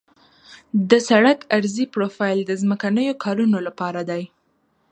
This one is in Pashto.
د سړک عرضي پروفیل د ځمکنیو کارونو لپاره دی